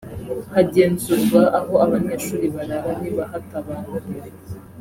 hagenzurwa aho abanyeshuri barara niba hatabangamiwe